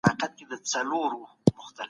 دوی به په هیواد کي د مطالعې مرکزونه جوړوي.